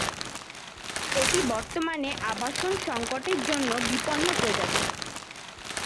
এটি বর্তমানে আবাসন সংকটের জন্য বিপন্ন প্রজাতি।